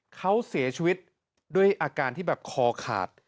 เขาเสียชีวิตด้วยอาการที่แบบคอขาด